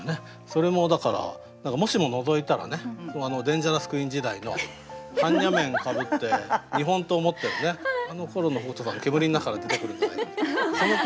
それもだからもしものぞいたらねデンジャラス・クイーン時代の般若面かぶって日本刀持ってるあのころの北斗さんが煙の中から出てくるんじゃないかとかね。